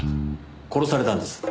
殺されたんです。